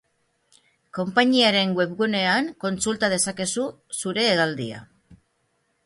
Konpainiaren webgunean kontsulta dezakezu zure hegaldia.